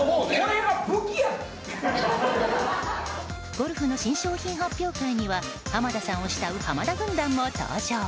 ゴルフの新商品発表会には浜田さんを慕う浜田軍団も登場。